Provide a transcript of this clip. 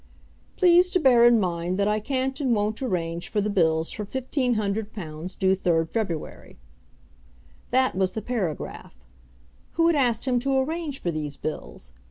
"Please to bear in mind that I can't and won't arrange for the bills for £1500 due 3rd February." That was the paragraph. Who had asked him to arrange for these bills?